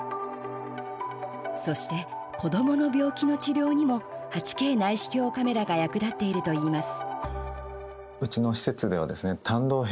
そして、子どもの病気の治療にも８Ｋ内視鏡カメラが役立っているといいます。